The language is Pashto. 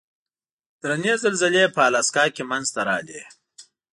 درنې زلزلې په الاسکا کې منځته راغلې.